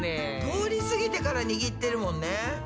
通りすぎてから握ってるもんね。